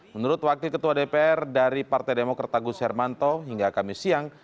menurut wakil ketua dpr dari partai demokrat agus hermanto hingga kamis siang